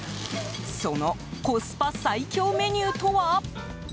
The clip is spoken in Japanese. そのコスパ最強メニューとは？